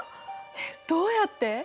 えっどうやって？